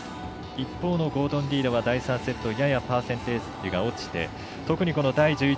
一方のゴードン・リードは第３セットややパーセンテージが落ちて特にこの第１１